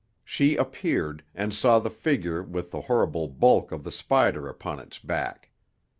She appeared, and saw the figure with the horrible bulk of the spider upon its back.